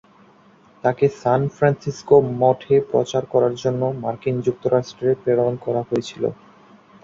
তাকে San Francisco মঠে প্রচার করার জন্য মার্কিন যুক্তরাষ্ট্রে প্রেরণ করা হয়েছিল।